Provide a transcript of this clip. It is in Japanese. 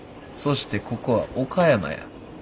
そしてここは岡山や。